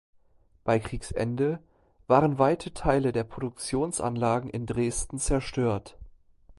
Bei Kriegsende waren weite Teile der Produktionsanlagen in Dresden zerstört.